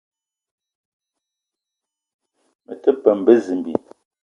Me te peum bezimbi